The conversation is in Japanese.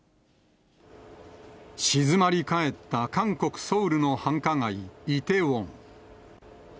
静まり返った韓国・ソウルの繁華街、イテウォン。